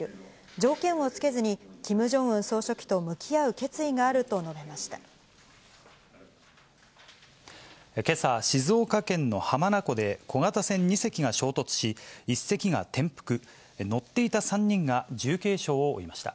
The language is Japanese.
条件を付けずにキム・ジョンウン総書記と向き合う決意があると述けさ、静岡県の浜名湖で、小型船２隻が衝突し、１隻が転覆、乗っていた３人が重軽傷を負いました。